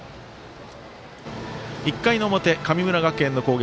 １回の表、神村学園の攻撃。